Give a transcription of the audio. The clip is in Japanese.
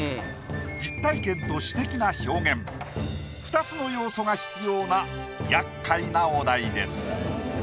実体験と詩的な表現２つの要素が必要な厄介なお題です。